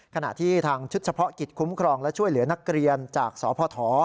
ขณะที่ทางชุดเฉพาะกิจคุ้มครองและช่วยเหลือนักเรียนจากสพ